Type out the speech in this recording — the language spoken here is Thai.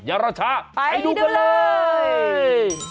อย่ารอช้าไปดูกันเลย